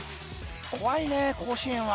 ［怖いね甲子園は。